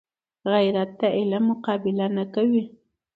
غیرت د علم مقابله نه کوي